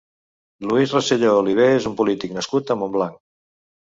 Lluís Roselló Olivé és un polític nascut a Montblanc.